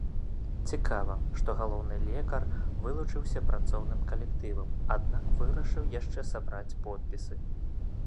Цікава, што галоўны лекар вылучаўся працоўным калектывам, аднак вырашыў яшчэ сабраць подпісы.